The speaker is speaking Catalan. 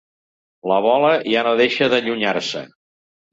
La bola ja no deixa d'allunyar-se.